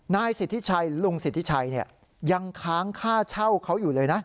นายสิทธิชัยลุงสิทธิชัยยังค้างค่าเช่าเขาอยู่เลยนะ